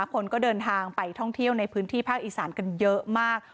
คนก็เดินทางไปท่องเที่ยวในพื้นที่ภาคอีสานกันเยอะมาก